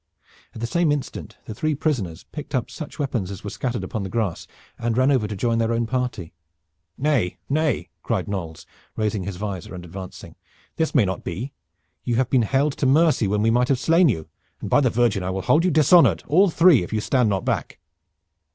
At the same instant the three prisoners picked up such weapons as were scattered upon the grass and ran over to join their own party. "Nay, nay!" cried Knolles, raising his visor and advancing. "This may not be. You have been held to mercy when we might have slain you, and by the Virgin I will hold you dishonored, all three, if you stand not back."